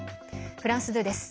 フランス２です。